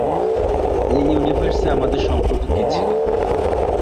এই ইউনিভার্সে আমাদের সম্পর্ক কী ছিল?